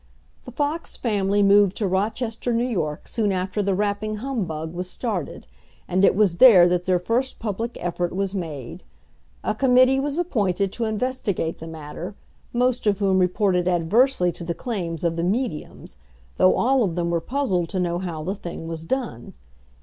The Fox family moved to Rochester, New York, soon after the rapping humbug was started; and it was there that their first public effort was made. A committee was appointed to investigate the matter, most of whom reported adversely to the claims of the "mediums;" though all of them were puzzled to know how the thing was done.